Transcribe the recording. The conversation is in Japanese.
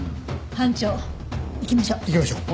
班長行きましょう。